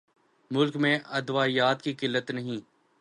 ملک میں ادویات کی قلت نہیں